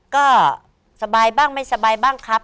ก็สบายบ้างไม่สบายบ้างครับ